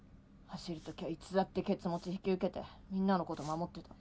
走るときはいつだってケツ持ち引き受けてみんなのこと守ってた。